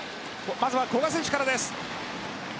まず古賀選手からです。